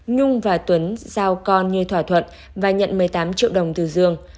nhung và tuấn giao con như thỏa thuận và nhận một mươi tám triệu đồng từ dương